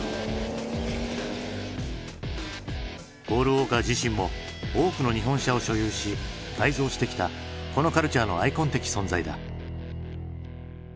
ポール・ウォーカー自身も多くの日本車を所有し改造してきたこのカルチャーのアイコン的存在だ。